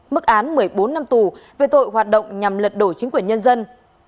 mức án một mươi bốn năm tù về tội hoạt động nhằm lật đổ chính quyền nhân dân